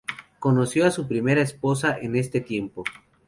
Conoció a su primera esposa en este tiempo.